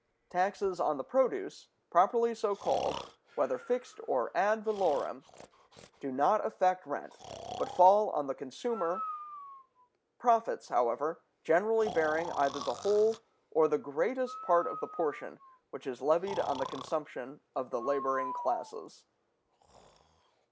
Taxes on the produce, properly so called, whether fixed or ad valorem, do not affect rent, but fall on the consumer, profits, however, generally bearing either the whole or the greatest part of the portion which is levied on the consumption of the laboring classes.